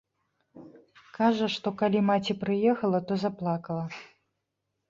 Кажа, што калі маці прыехала, то заплакала.